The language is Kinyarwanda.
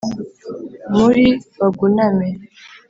muri baguname